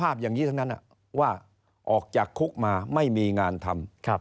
ภาพอย่างนี้ทั้งนั้นว่าออกจากคุกมาไม่มีงานทำ